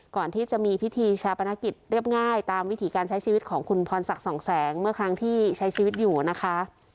ก่อนที่จะมีพิธีชาปนกิจเรียบง่ายตามวิถีการใช้ชีวิตของคุณพรศักดิ์สองแสงเมื่อครั้งที่ใช้ชีวิตอยู่นะคะ